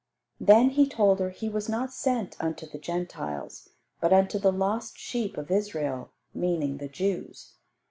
Then He told her He was not sent unto the Gentiles, but unto the lost sheep of Israel; meaning the Jews.